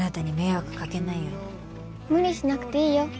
無理しなくていいよ。